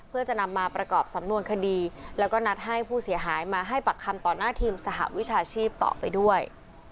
เพื่อจะนำมาประกอบสำนวนคดีแล้วก็นัดให้ผู้เสียหายมาให้ปากคำต่อหน้าทีมสหวิชาชีพต่อไปด้วย